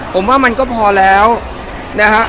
ผมว่ามันก็พอแล้วนะฮะ